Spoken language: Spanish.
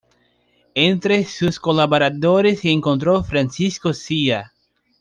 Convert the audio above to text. Entre sus colaboradores se encontró Francisco Zea.